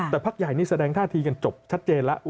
แต่พักใหญ่นี่แสดงท่าทีกันจบชัดเจนแล้ว